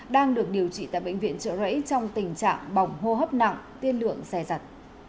đang được điều trị tại bệnh viện trợ rẫy trong tình trạng bỏng hô hấp nặng tiên lượng xe rật